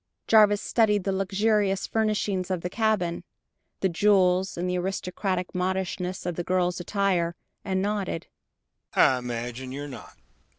Jarvis studied the luxurious furnishings of the cabin, the jewels and aristocratic modishness of the girl's attire, and nodded.